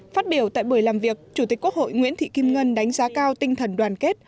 phát biểu tại buổi làm việc chủ tịch quốc hội nguyễn thị kim ngân đánh giá cao tinh thần đoàn kết